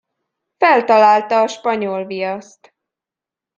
Feltalálta a spanyolviaszt.